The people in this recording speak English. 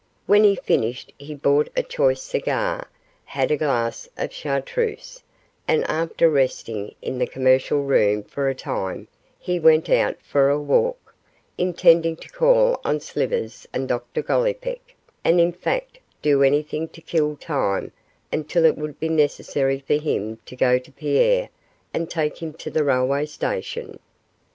When he finished he bought a choice cigar, had a glass of Chartreuse, and after resting in the commercial room for a time he went out for a walk, intending to call on Slivers and Dr Gollipeck, and in fact do anything to kill time until it would be necessary for him to go to Pierre and take him to the railway station.